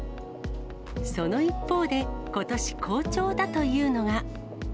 その一方で、ことし好調だというのが。